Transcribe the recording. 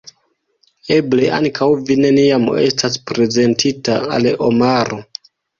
Eble ankaŭ vi neniam estas prezentita al Omaro.